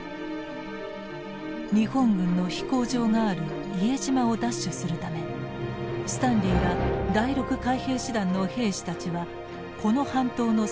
日本軍の飛行場がある伊江島を奪取するためスタンリーら第６海兵師団の兵士たちはこの半島の制圧を目指していた。